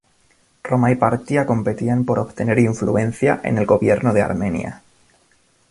Roma y Partia competían por obtener influencia en el gobierno de Armenia.